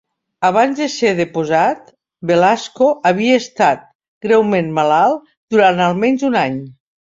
Abans de ser deposat, Velasco havia estat greument malalt durant almenys un any.